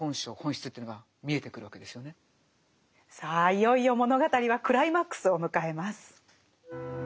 いよいよ物語はクライマックスを迎えます。